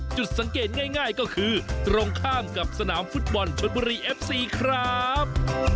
จุดสังเกตง่ายก็คือตรงข้ามกับสนามฟุตบอลชนบุรีเอฟซีครับ